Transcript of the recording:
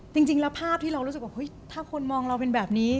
จริงแล้วภาพที่เรารู้สึกว่าเฮ้ยถ้าคนมองเราเป็นแบบนี้